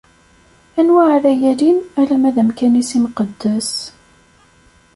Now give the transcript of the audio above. Anwa ara yalin alamma d amkan-is imqeddes?